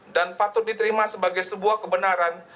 dan patut diterima sebagai sebuah kebenaran